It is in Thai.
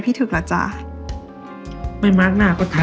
พี่ถึกจ้าชายหญิงอยู่ในห้องด้วยกันซะ